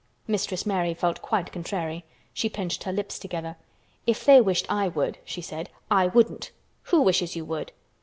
Mistress Mary felt quite contrary. She pinched her lips together. "If they wished I would," she said, "I wouldn't. Who wishes you would?"